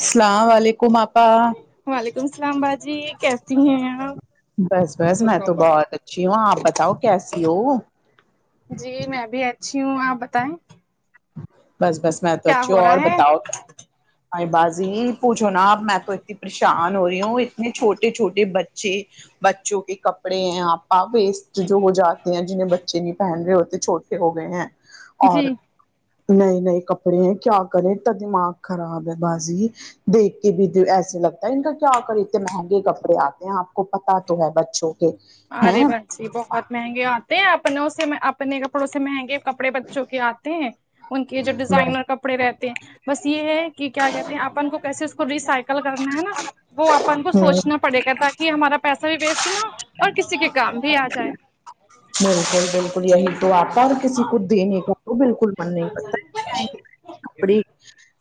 السلام ولیکم آپا وعلیکم اسلام باجی کیسی ہیں آپ بس بس میں تو بہت اچھی ہو آپ بتاؤ کیسی ہو جی میں بھی اچھی ہوں آپ بتائیں بس بس میں تو کیا اچھی ہو ہوں اور رہا ہے بتاؤ ایں باجی پوچھو نا اب میں تو اتنی پریشان ہو رہی ہوں اتنے چھوٹے چھوٹے بچے بچوں کے کپڑے آپا ویسٹ جو ہو جاتے ہیں جنہیں بچے نہیں پہن رہے ہوتے چھوٹ ٹے ہو گئے ہیں اور جی نئے نئے کپڑے ہیں کیا کرے اتتا دماغ خراب ہے بازی دیکھ کے بھی ایسے لگتا ہے ان کا کیا کرو اتنے مہنگے کپڑے آتے ہیں آپ کو پتا تو ہے بچوں کے ارے ہیں بچی بہت مہنگے آتے ہیں اپنوں سے اپنے کپڑوں سے مہنگے کپڑے بچوں کے آتے ہیں ان کے جو بس ڈیزائنر کپڑے رہتے ہیں بس یہ ہے کہ کیا کہتے ہیں اپن کو کیسے اس کو ریسائیکل کرنا ہے نا وہ اپن کو ہوں سوچنا پڑے گا تاکہ ہمارا پیسہ بھی ویسٹ نہ اور کسی کے کام بھی آ جائے بالکل بال یہی تو آپا کسی کو دینے کو تو بالکل من نہیں کرتا اتے مہنگے مہنگے کپڑے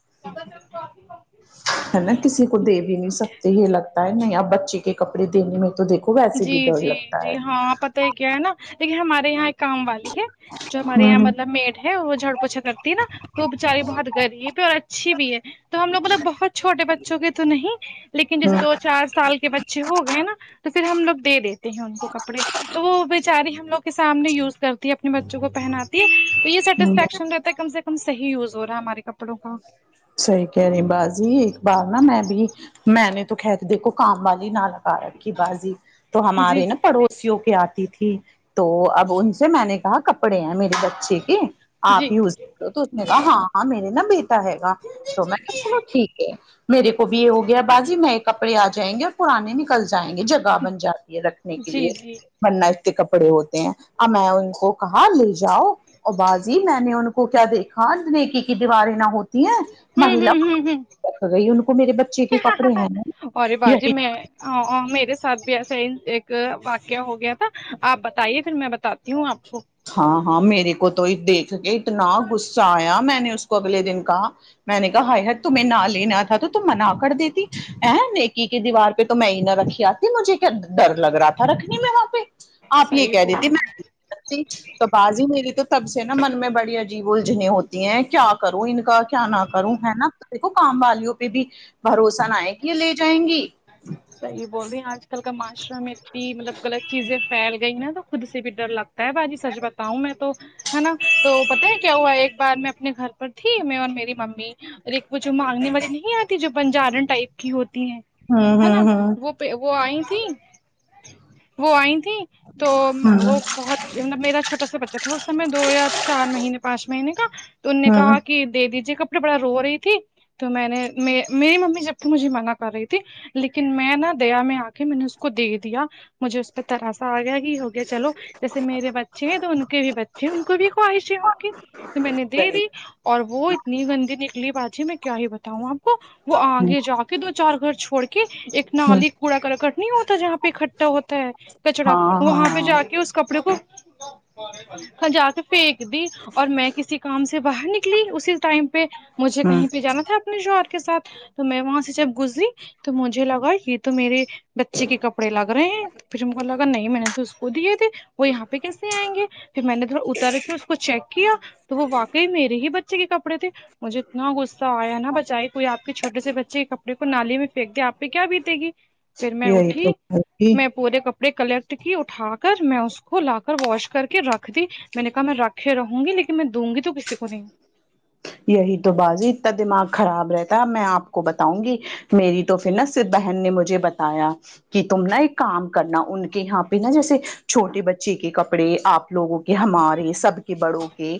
[unintelligible] ہے نا کسی کو دے بھی نہیں سکتے یہ لگتا ہے نہیں اب بچے کے کپڑے دینے میں تو دیکھو ویسے بھی جی ڈر جی لگتا ہے جی ہاں پتہ کیا ہے نا لیکن ہمارے یہاں ایک کام والی ہے جو ہمارے ہوں یہاں ہوں مطلب میڈ ہے وہ جھاڑو پوچھ کرتی ہے نا تو وہ بچاری بہت غریب ہے اور اچھی بھی ہے تو ہم لوگ بولے بہت چھوٹے بچوں کے تو نہیں لیکن جیسے ہوں دو چار سال کے بچ اچھے ہو گئے نا تو پھر ہم لوگ دے دیتے ہیں ان کو کپڑے تو وہ بیچاری ہم لوگ کے سامنے یوز کرتی ہے اپنے بچوں کو پہناتی ہے تو یہ ہوں سیٹسفیکشن رہ کم سے کم یوز ہو رہا ہے ہمارے کپ صحیح کہہ رہی باجی بار نہ میں بھی میں نے تو خیر دیکھو کام والی نہ رکھ پارک کی بازی تو جی ہمارے نا پڑو وں کے آتی تھی تو اب ان سے میں نے کہا کپڑے ہیں میر بچے کے جی آپ ہی [unintelligible] تو اس نے کہا ہاں ہاں میرے نہ بے بی رہےگا تو میں نے کہا ٹھیک ہے میرے کو بھی یہ ہوگیا باجی میں کب کپڑے آ جائیں گے اور پرانے نکل جائیں گے جگہ بن جاتی ہے رکھنے کے جی لیے جی بننا اتنے کپڑے ہوتے ہیں اب میں ان کو کہاں لے جاؤ اور باجی میں نے ان کو کیا دیکھا نیکی کی دیواریں نہ ہو مہ ہوں مہیلا ہوں ہوں ہوں گئی ان کو میرے بچے کے کپڑے ہیں نا یہی ہاں ہاں میرے ساتھ بھی ایسا ہی ایک واقعہ ہو گیا تھا آپ بتائیے پھر میں بتاتی ہوں آپ کو ہاں ہاں میرے کو تو ہی دیکھ کے اتنا غصہ آیا میں نے اس کو اگلے دن کہا میں نے کہا ہت تمہیں نہ لینا تھا تو تم منا کر دیتی ا نیکی کے دیوار تو میں ہی نہ رکھی آتی مجھے کیا ڈر لگ رہا تھا رکھنے میں وہاں پہ آپ یہ صحیح کہہ بول دیتی رہی میں ہیں، تو باجی میری تو تب سے نا من میں بڑی عجیب الجھنیں ہوتی ہیں کیا کروں ان کا کیا نہ کروں ہے نا دیکھو کام والیوں پہ بھی بھروسہ نہ ہے کہ یہ لے جائیں گی صحیح بول رہی ہیں آج کل کا معاشرے میں اتنی مطلب غلط چیزیں پھیل گئی نا تو خود سے بھی ڈر لگ طے باجی سچ بتاؤں میں تو ہے نا تو پتہ ہے کیا ہوا ایک بار میں اپنے گھر پر تھی میں اور میری ممی اور ایک وہ جو مانگنے والی نہیں آتی جو بنجارن ٹائپ کی ہوتی ہیں ہوں ہے ہوں نا ہوں وہ وہ آئی تھیں وہ آئی تھیں تو ہوں وہ بہت میرا چھوٹا سا بچہ تھا اس س میں دو یا چار مہینے پانچ مہینے کا تو ان نے کہا ہوں کہ دے دیجئے گا بڑا رو رہی تھی تو میں نے میری ممی جب تو مجھے منع کر رہی تھی لیکن میں نا دیا میں آ کے میں نے اس کو دے دیا مجھے اس پہ ترس آ گیا ہی ہوگ اچھا چلو جیسے میرے بچے ہیں تو ان کے بھی بچے ہیں ان کو بھی خواہشیں ہوں گی تو میں نے دے دی اور وہ اتنی گندی نکلی باجی میں کیا ہی بتاؤں آپ کو وہ آگے جا کے دو چار گھر چھوڑ کے ایک ہوں نالی کوڑا کرکٹ نہیں ہوتا جہاں اکٹھا ہوتا ہے کچرا ہاں وہاں پہ ہاں جا کے اس کپڑے کو ہاں جا کے پھینک دی اور میں کسی کام سے باہر نکلی اسی ٹائم پہ مجھے ہوں کہیں پہ جانا تھا اپنے شوہر کے ساتھ تو میں وہاں سے جب گزری تو مجھے لگا یہ تو میرے بچے کے کپڑے لگ رہے ہیں تو پھر میرے کو لگا نہیں میں نے تو اس کو دیے تھے وہ یہاں پہ کیسے آئیں گے پھر میں نے تھوڑا اتر کے اس کو چیک کیا تو وہ واقعی میرے ہی بچے چ کے کپڑے تھے مجھے اتنا غصہ آیا نا بچائی کوئی آپ کے چھوٹے سے بچے کے کپڑے کو نالی میں پھیک دے آپ پہ کیا بیتے گی پھر میں یہی تو اٹھی بازی میں پورے کپڑے کلیکٹ کی اٹھا کر میں اس کو لا کر واش کرکے رکھ دی میں نے کہا میں راکھے رہوں گی لیکن میں دوں گی تو کسی کو نہیں یہی تو بازی اتنا دماغ خراب رہتا میں آپ کو بتاؤں گی میری تو پھر نہ صرف بہن نے مجھے بتایا کہ تم نا ایک کام کرنا ان کے یہاں پہ نا جیسے چھوٹے بچے کے کپڑے آپ لوگوں کے ہمارے سب کے بڑوں کے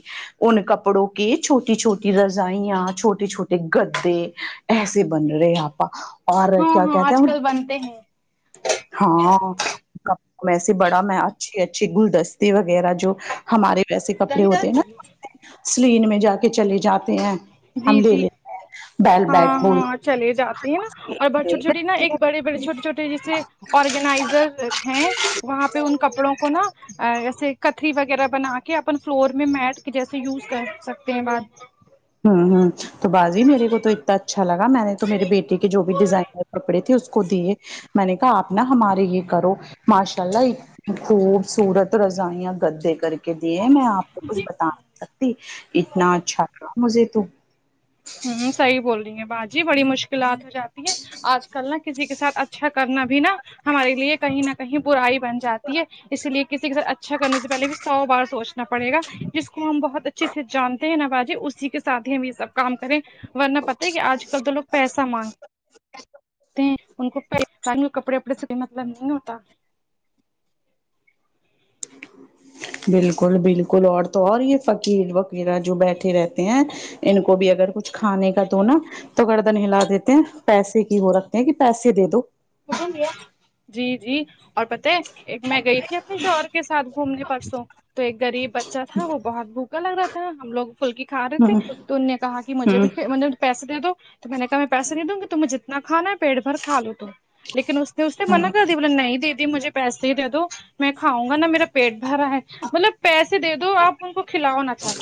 ان کپڑوں کے چھو ٹی چھوٹی چھوٹی رضائیاں چھوٹے چھوٹے گدے ایسے بن رہے آپا اور ہاں کیا ہاں کہتے آج ہیں کل بنتے ہیں ہاں میں سے بڑا میں اچھی اچھی گلدستی وغیرہ جو ہمارے ویسے کپڑے دہی ہوتے ہیں داد نا سلین میں جا کے چلے جاتے ہیں جی ہم لے جی لیتے ہیں بیل ہاں بیٹ بول ہاں چلے جاتی ہیں نا اور بڑ چھوٹی چھوٹی نا ایک بڑے بڑے چھوٹے چھوٹے جیسے آرگنائزر ہیں وہاں پہ ان کپڑوں کو نہ ایسے کتھری وغیرہ بنا کے اپن فلور میں میٹ کے جیسے یوز کر سکتے ہیں بات ہوں ہوں تو باجی میرے کو تو اتنا اچھا لگ میں نے تو میری بیٹی کے جو بھی ڈیزائنر کپڑے تھے اس کو دیے میں نے کہا آپ نہ ہمارے یہ کرو ماشاء اللہ خوبصورت رضائیاں گدے کر کے دیے نا آپ کو کچھ بتا سکتی نہیں اتنا اچھا تھا مجھے تو ہوں صحیح بول رہی ہیں باجی بڑی مشکلات ہو جاتی ہے آج کل نا کسی کے ساتھ اچھا کرنا بھی نا ہمارے لیے کہیں نہ کہیں برائی بن جاتی ہے اسی لیے کسی کے ساتھ اچھا کرنے سے پہلے بھی سو بار سوچنا پڑے گا جس کو ہم بہت اچ چھے سے جانتے ہیں نہ باجی اسی کے ساتھ ہی ہم یہ سب کام کریں ورنہ پتا ہے کہ آج کل تو لوگ پیسہ مانگ ہیں ان کوئی نی کپڑے وپڑے سے کوئی مطلب نہیں ہوتا بالکل بالکل اور تو اور یہ فقیر و ویرہ جو بیٹھے رہتے ہیں ان کو بھی اگر کچھ کھانے کا تو نا تو گردن ہلا دیتے ہیں پیسے کی ہو رکھتے ہیں کہ پیسے دے دو پسند کیا جی جی اور پتہ ہے ایک میں گئی تھی اپنے شوہر کے ساتھ گھومنے پرسوں تو ایک غریب بچہ تھا وہ بہت بھوکا لگ رہا تھا ہم لوگ فھلکی کھا رہے تھے ہ تو ان نے کہا کہ مجھ ہ بھی میں نے پیسے دے دو تو میں نے کہا میں پیسے دوں گی تمہیں جت نا کھانا ہے پیٹ بھر کھا لو تم لیکن اس نے اس نے منع ہ کر دی بول نہیں دید مجھے پیسے ہی دے دو میں کھاؤنگا نا میرا پیٹ بھرا ہے مطلب پیسے دے دو آپ ان کو کھلاؤنا چاہے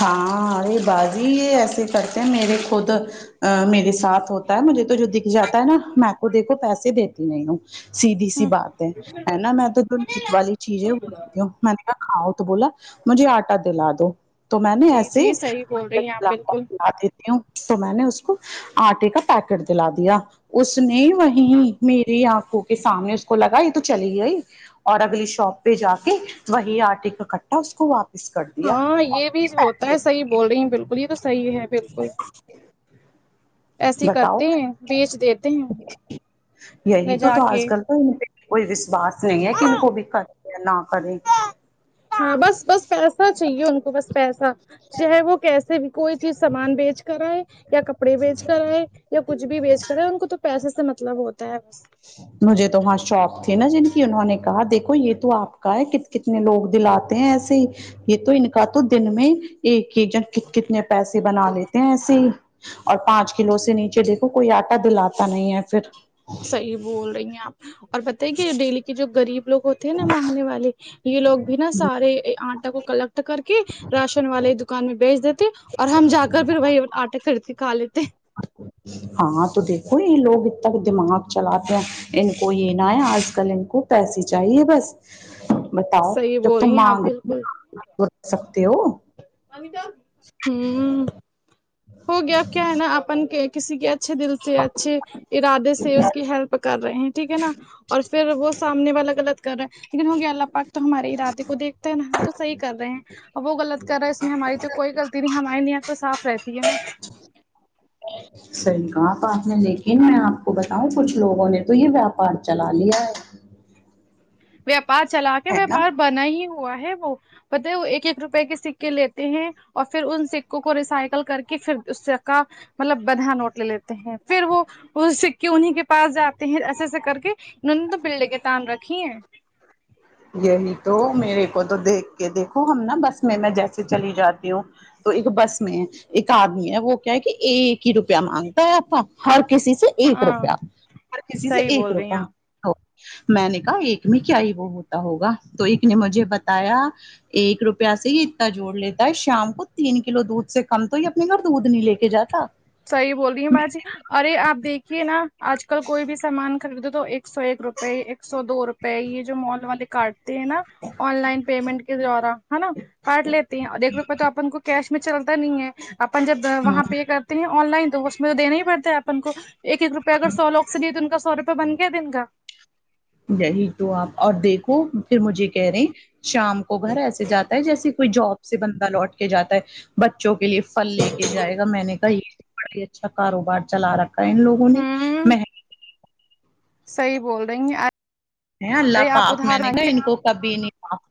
ہاں ارے باجی یہ ایسے کرتے ہیں میرے خود آ میرے ساتھ ہوتا ہے مجھے تو جو دکھ جاتا ہے نا میں تو دیکھو پیسے دیتی نہیں ہوں سیدھی سی ہوں بات ہے ہے نا میں تو جو [unintelligible] والی چیز ہے کھاؤ تو بولا مجھے آٹا دلا دو تو میں نے جی ایسے ہی جی صحیح بول [inaudible] رہی ہیں آپ بالکل دیتی ہوں تو میں نے اس کو آٹے کا پیکٹ دلا دیا اس نے وہیں میری آنکھوں کے سامنے اس کو لگا یہ تو چلی گئی اور اگلی شاپ پہ جا کے وہی آٹے کا کٹھا اس کو واپ ہاں یہ بھی ہوتا ہے صحیح بول رہی ہیں بالکل یہ تو صحیح ہے بالکل ایسے بتاؤ کرتے ہیں بیچ دیتے ہیں یہی لے تو جا تھا آج کے کل کوئی وشواس نہیں ہے کہ ان کو بھی کرے یا نہ کرے ہاں بس بس پیسہ چاہیے ان کو بس پیسہ چاہے وہ کیسے بھی کوئی چیز سامان بیچ کر آئے یا کپ ڑے بیچ کر ہے یا کچھ بھی بیچ کر ہے ان کو تو پیسے سے مطلب ہوتا ہے بس مجھے تو وہاں شاپ تھے نا جن کی انہوں نے کہا دیکھو یہ تو آپ کا ہے کت کتنے لوگ دلاتے ہیں ایسے ہی یہ تو ان کا تو دن میں ایک ایک جن کتنے پیسے بنا لیتے ہیں ایسے ہی اور پانچ کلو سے نیچے دیکھو کوئی آٹا دلاتا نہیں ہے پھر صحیح بول رہی ہیں آپ اور بتائی کہ ڈیلی کے جو غریب لوگ ہو تے نا مانگنے والے یہ لوگ بھی نا سارے آٹا کو کلیکٹ کر کہ راشن والے دکان میں بیچ دیتے اور ہم جا کر پھر وہی آٹا خرید کھا لیتے ہاں تو دیکھو یہ لوگ اتنا دماغ چلاتے ہیں ان کو یہ نہ ہے آج کل ان کو پیسے چاہیے بس بتاؤ صحیح جب بول رہی تم ہیں آپ مانگ بالکل سکتے ہو ہمم ہو گیا کیا ہے نا اپن کسی کیا اچھے دل سے اچھے ارادے سے اس کی ہیلپ کر رہے ہیں ٹھیک ہے نا اور پھر وہ سامنے والا غلط کر رہا ہے لیکن ہو گیا اللہ پاک تو ہمارے ارادے کو دیکھتے ہیں نا ہم تو صحیح کر رہے ہیں وہ غلط کر رہے اس میں ہماری تو کوئی غلطی نہیں ہے ہماری نیت تو صاف رہتی ہے صحیح کہا آپا آپ نے لیکن میں آپ کو بتاؤں کچھ لوگوں نے تو یہ ویاپار چلا لیا ہے ویاپار چلا کے ہے نا ویاپار بنا ہی ہوا ہے وہ پتے ہے وہ ایک ایک روپے کے سکے لیتے ہیں اور پھر ان سکوں کو ریسائیکل کر کے پھر سکا مطلب بندھا نوٹ لے لیتے ہیں پھر وہ وہ سکے انہیں کے پاس جاتے ہیں ایسے ایسے کر کے انہوں نے تو پہلے کے تام رکھی ہیں یہی تو میرے کو تو دیکھ کے دیکھو ہم نا بس میں میں جیسے چلی جاتی ہوں تو ایک بس میں ہے ایک آدمی ہے وہ کیا ہے کہ ایک ہی روپیہ مانگتا ہے آپ کو ہر کسی سے سے ایک ہاں روپیہ ہر کسی سے صحیح ایک بول رہی ہیں آپ روپیہ میں نے کہا ایک میں کیا ہی وہ ہوتا ہوگا تو ایک نے مجھے بتایا ایک روپیہ سے ہی اتنا جوڑ لیتا ہے شام کو تین کلو دودھ سے کم تو یا یہ نہ دودھ نہیں لے کے جاتا صحیح بول رہی ہیں با جی ارے آپ دیکھیے نا آج کل کوئی بھی سامان خریدو تو ایک سو ایک روپئے ایک سو دو روپئے یہ جو مال والے کاٹتے ہیں نا آن لائن پیمنٹ کے دوارا ہے نا کاٹ لیتے ہیں اور ایک روپے تو اپن کو کیش میں چلتا نہیں ہے اپن جب وہاں پے کر آن لائن تو اس میں تو دینا ہی پڑتا ہے اپن کو ایک ایک روپیہ اگر سو لوگ سے نہیںے تو ان کا سو روپے بن گیا دن کا یہی تو آپ اور دیکھو پھر مجھے کہہ رہے شام کو گھر ایسے جاتا ہے جیسے کوئی جاب سے بندہ لوٹ کے جاتا ہے بچوں کے لیے پھل لے کے جائے گا میں نے کہا یہ بڑا ہی اچھا کاروبار چلا رکھا ہے ان لوگوں نے ہوں میں صحیح بول رہی ہیں آ ہیں اللہ پاک میں نے کہا ان کو کبھی نہیں پاپ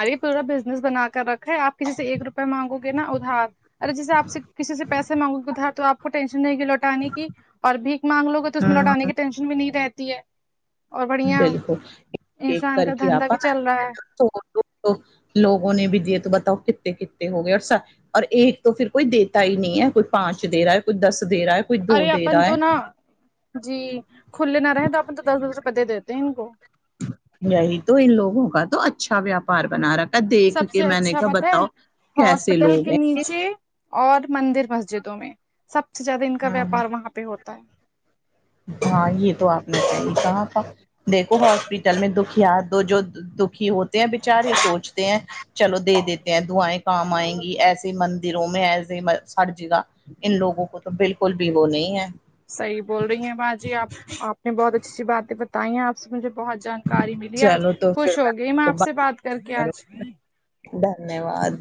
ارے پورا بزنس بنا کر رکھے آپ کسی سے ایک روپے مانگو گے نا ادھار ارے جسے آپ سے کسی سے پیسے مانگو گے ادھار تو آپ کو ٹینشن نہیں کہ لوٹانے کی اور بھیک مانگ لو گے تو اس میں لوٹانے کی ٹینشن بھی نہیں رہتی ہے اور بڑھیا بالکل ایک انسان کر کا کے دھندا آپا بھی نا چل رہا ہے تو ہم لوگ تو لوگوں نے بھی دیے تو بتاؤ کتتے کتتے ہو گئے اور سر اور ایک تو پھر کوئی دیتا ہی نہیں ہے کوئی پانچ دے رہا ہے کوئی دس دے رہا ہے کوئی دو ارے دے اپن رہا تو ہے نا جی کھلے نہ رہے تو آپ تو دس دس روپئے دے دیتے ہیں ان کو یہی تو ان لوگوں کا تو اچھا ویاپار بنا رکھ دیکھ سب کے سے میں نے اچھا کہا پتہ ہے بتاؤ کیسے ہاسپٹل لوگ کے ہیں یہ نیچے اور مندر مسجدوں میں سب سے زیادہ ان کا ہاں ویاپار وہاں پہ ہوتا ہے ہاں یہ تو آپ نے صحیح کہا تھا دیکھو ہاسپٹل میں دکھیا دو جو دکھی ہوتے ہیں بیچارے سوچتے ہیں چلو دے دیتے ہیں دعایں کام آئیں گی ایسے من دوں میں ایسے سر جگا ان لوگوں کو تو بالکل بھی وہ نہیں ہے صحیح بول رہی ہیں با جی آپ آپ نے بہت اچھی سی باتیں بتاںی بتائی آپ سے مجھے بہت جانکاری ملی آج چلو تو پھر خوش ہو گئی میں کو آپ سے بات کر کے آج کروں، دھنیہ واد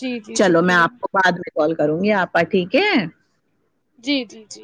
جی جی چلو میں شکریہ آپ کو بعد میں کال کروں گی آپا ٹھیک ہے جی جی جی